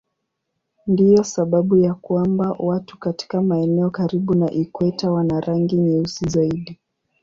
Ndiyo sababu ya kwamba watu katika maeneo karibu na ikweta wana rangi nyeusi zaidi.